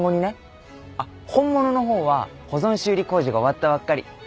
あっ本物の方は保存修理工事が終わったばっかり。